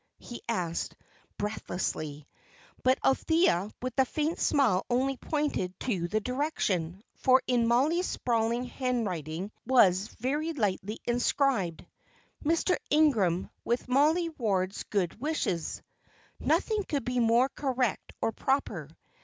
he asked, breathlessly. But Althea, with a faint smile, only pointed to the direction, for, in Mollie's sprawling handwriting, was very lightly inscribed: "Mr. Ingram, with Mollie Ward's good wishes." Nothing could be more correct or proper.